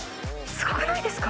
すごくないですか？